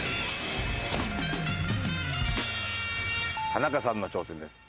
田中さんの挑戦です。